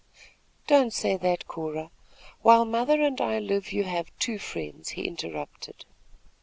"Don't say that, Cora. While mother and I live, you have two friends," he interrupted.